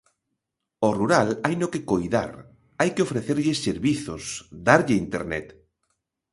O rural haino que coidar, hai que ofrecerlle servizos, darlle internet.